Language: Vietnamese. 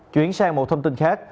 chuyển sang một thông tin khác